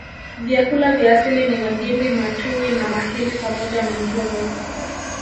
Vyakula vya asili ni magimbi matuwi na mahimbi pamoja na mihogo